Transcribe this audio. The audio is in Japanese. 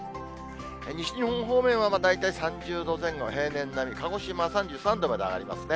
西日本方面は大体３０度前後の平年並み、鹿児島は３３度まで上がりますね。